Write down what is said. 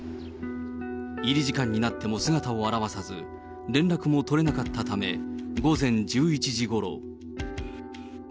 入り時間になっても姿を現さず、連絡も取れなかったため、午前１１時ごろ。